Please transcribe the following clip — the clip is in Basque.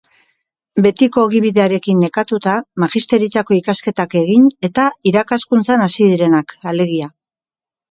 Betiko ogibidearekin nekatuta, magisteritzako ikasketak egin eta irakaskuntzan hasi direnak, alegia.